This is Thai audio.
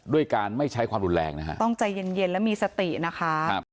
ด้วยการไม่ใช้ความรุนแรงต้องใจเย็นและมีสตินะคะ